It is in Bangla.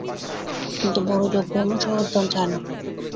কিন্তু বড়ো যজ্ঞ এমন সহজ দান চায় না।